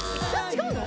違うの！？